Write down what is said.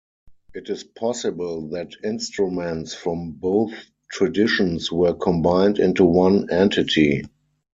It is possible that instruments from both traditions were combined into one entity.